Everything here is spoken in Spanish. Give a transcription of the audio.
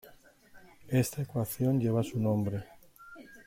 Esta ecuación lleva su nombre.